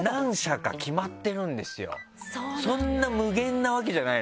そんな無限なわけじゃないの。